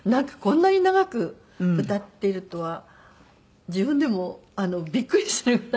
こんなに長く歌っているとは自分でもびっくりしてる。